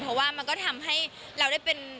เพราะว่ามันก็ทำให้เราได้เป็น